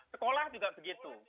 sekolah juga begitu